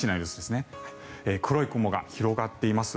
黒い雲が広がっています。